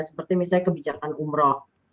seperti misalnya kebijakan umroh